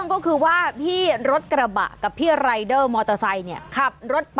นี้คือนี่หลัง็พงษ์ไพรส์